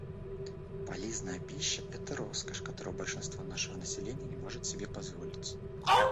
Полезная пища — это роскошь, которую большинство нашего населения не может себе позволить.